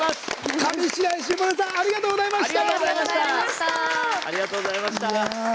上白石萌音さんありがとうございました。